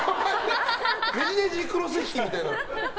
ねじねじクロス引き！みたいな。